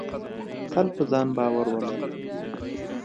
تل په ځان باور ولره.